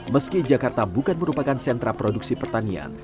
meski jakarta bukan merupakan sentra produksi pertanian